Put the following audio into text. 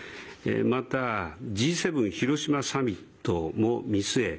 また、Ｇ７広島サミットも見据え